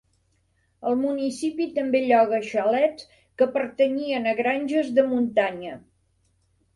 El municipi també lloga xalets, que pertanyien a granges de muntanya.